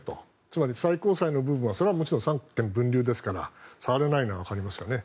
つまり最高裁の部分はそれはもちろん三権分立ですから触れないのはわかりますよね。